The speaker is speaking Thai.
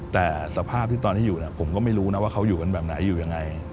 แต่สภาพที่ตอนที่อยู่ผมก็ไม่รู้นะว่าเขาอยู่กันแบบไหนอยู่ยังไง